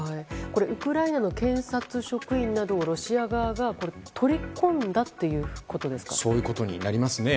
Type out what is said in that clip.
ウクライナの検察職員などをロシア側が取り込んだということですか？